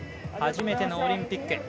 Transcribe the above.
初めてのオリンピック。